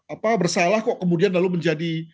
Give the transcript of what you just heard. apa bersalah kok kemudian lalu menjadi